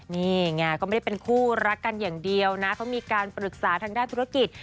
นี่ไงก็ไม่ได้เป็นคู่รักกันอย่างเดียวนะเขามีการปรึกษาทางด้านธุรกิจ